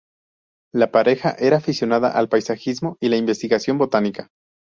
La pareja era aficionada al paisajismo y la investigación botánica.